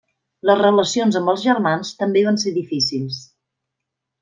Les relacions amb els germans també van ser difícils.